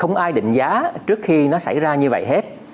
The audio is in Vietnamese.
không ai định giá trước khi nó xảy ra như vậy hết